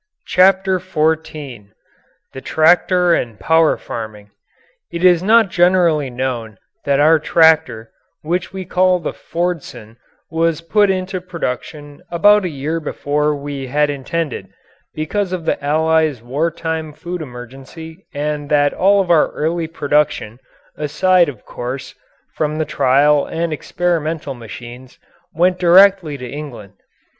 CHAPTER XIV THE TRACTOR AND POWER FARMING It is not generally known that our tractor, which we call the "Fordson," was put into production about a year before we had intended, because of the Allies' war time food emergency, and that all of our early production (aside, of course, from the trial and experimental machines) went directly to England.